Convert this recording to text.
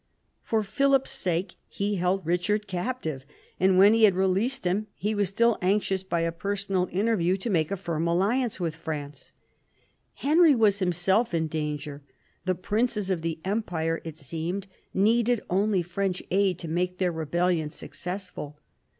For Philip's sake he held Eichard captive, and when he had released him he was still anxious by a personal interview 90 PHILIP AUGUSTUS chap. to make a firm alliance with France. Henry was himself in danger ; the princes of the Empire, it seemed, needed only French aid to make their rebellion successful.